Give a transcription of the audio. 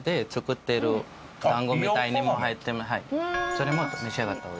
それも召し上がった方が。